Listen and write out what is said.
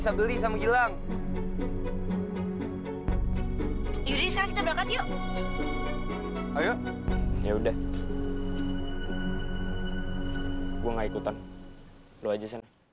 nih lo pegang ini